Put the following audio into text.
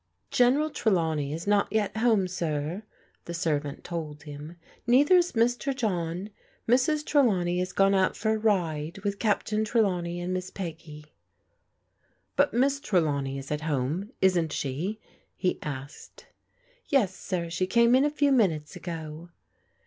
" General Trelawney is not yet home, sir," the servant told him. " Neither is Mr. John. Mrs. Trelawney has gone out for a ride with Captain Trelawney and Miss Peggy." " But Miss Trelawney is at home, isn't she ?" he asked " Yes, sir, she came in a few minutes ago."